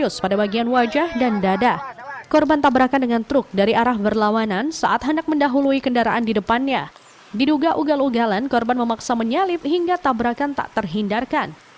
diduga ugal ugalan korban memaksa menyalip hingga tabrakan tak terhindarkan